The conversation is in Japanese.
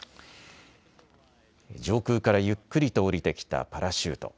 上空からゆっくりと降りてきたパラシュート。